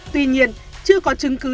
tuy nhiên chưa có chứng cứ